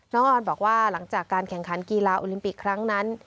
ออนบอกว่าหลังจากการแข่งขันกีฬาโอลิมปิกครั้งนั้น